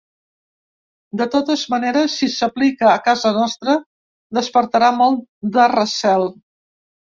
De totes maneres, si s’aplica a casa nostra, despertarà molt de recel.